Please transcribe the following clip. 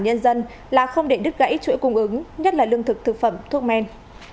nhân dân là không để đứt gãy chuỗi cung ứng nhất là lương thực thực phẩm thuốc men